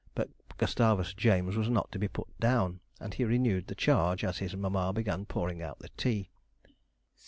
But Gustavus James was not to be put down, and he renewed the charge as his mamma began pouring out the tea.